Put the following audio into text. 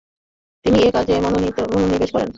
তিনি এ কাজে মনোনিবেশ করেন।